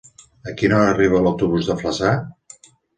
A quina hora arriba l'autobús de Flaçà?